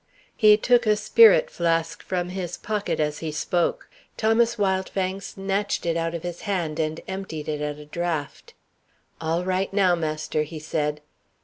He took a spirit flask from his pocket as he spoke. Thomas Wildfang snatched it out of his hand, and emptied it at a draught. "All right now, master," he said.